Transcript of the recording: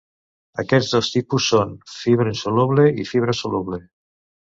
Aquests dos tipus són: fibra insoluble i fibra soluble.